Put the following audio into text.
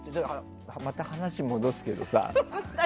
また話し戻すけどさ。